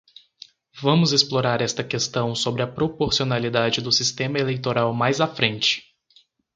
Vamos explorar esta questão sobre a proporcionalidade do sistema eleitoral mais à frente.